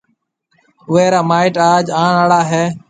اُوئي را مائيٽ آج آڻ آݪا هيَ۔